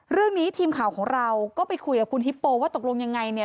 เรื่องนี้ทีมข่าวของเราก็ไปคุยกับคุณฮิปโปว่าตกลงยังไงเนี่ย